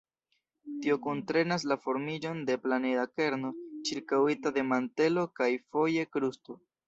Tio kuntrenas la formiĝon de planeda kerno ĉirkaŭita de mantelo kaj, foje, krusto.